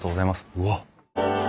うわっ！